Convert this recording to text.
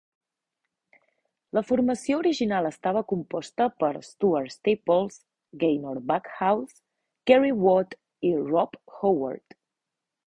La formació original estava composta per Stuart Staples, Gaynor Backhouse, Gary Watt i Rob Howard.